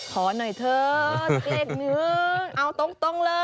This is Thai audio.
ขอหน่อยเถอะเกร็ดเนื้อเอาตรงเลย